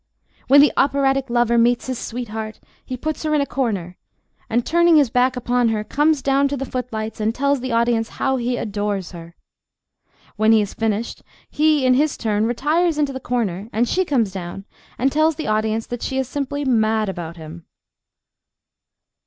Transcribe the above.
When the operatic lover meets his sweetheart he puts her in a corner and, turning his back upon her, comes down to the footlights and tells the audience how he adores her. When he has finished, he, in his turn, retires into the corner, and she comes down and tells the audience that she is simply mad about him.